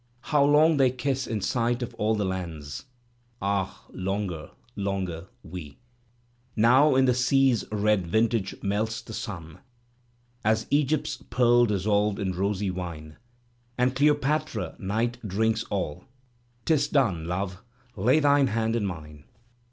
How long they kiss in sight of all the lands. Ah! longer, longer, we. Now in the sea's red vintage melts the sim. As Egypt's pearl dissolved in rosy wine. And Cleopatra night drinks alL 'TIS done. Love, lay thine hand in mine.